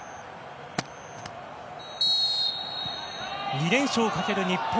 ２連勝をかける日本。